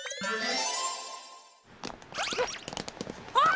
あっ！